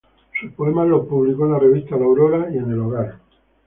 Sus poemas los publicó en las revistas "La Aurora" y en "El Hogar".